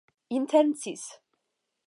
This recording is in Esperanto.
intencis